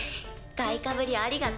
買いかぶりありがと。